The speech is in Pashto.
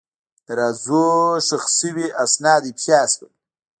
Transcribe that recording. د رازونو ښخ شوي اسناد افشا شول.